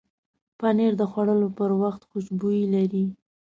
پنېر د خوړلو پر وخت خوشبو لري.